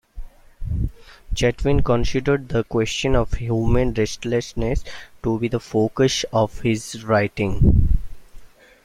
Chatwin considered the question of human restlessness to be the focus of his writing.